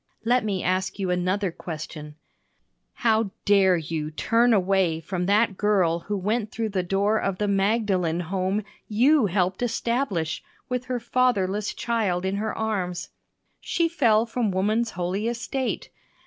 Let me ask you another question: How dare you turn away from that girl who went through the door of the Magdalene Home you helped establish, with her fatherless child in her arms? She fell from woman's holy estate!